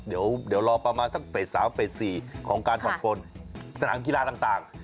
เดี๋ยวรอประมาณสักเฟส๓เฟส๔ของการผ่อนปนสนามกีฬาต่าง